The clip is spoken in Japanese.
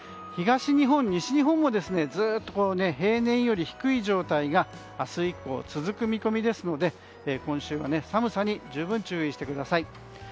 東日本、西日本もずっと平年より低い状態が明日以降続く見込みですので明日以降寒さに注意してください。